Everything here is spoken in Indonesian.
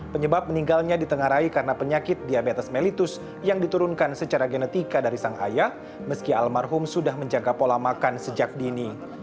penyebab meninggalnya ditengarai karena penyakit diabetes mellitus yang diturunkan secara genetika dari sang ayah meski almarhum sudah menjaga pola makan sejak dini